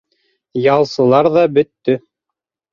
Ялсылар ҙа бөттө.